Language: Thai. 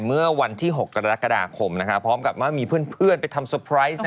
เมื่อวันที่๖กรกฎาคมพร้อมกับว่ามีเพื่อนไปทำเตอร์ไพรส์